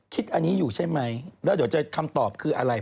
คิดอันนี้อยู่ใช่ไหมแล้วเดี๋ยวจะคำตอบคืออะไร